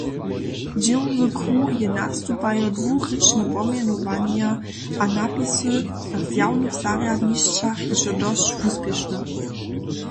Dźěłowy kruh je nastupajo dwurěčne pomjenowanja a napisy na zjawnych zarjadnišćach hižo dosć wuspěšny.